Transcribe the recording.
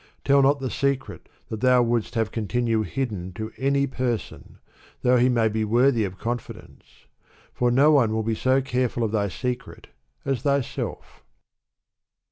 Tell not the secret that thou wouldst have continue hidden to any person^ although he may be worthy of confidence j for no one will be so careful of thy secret as thyself.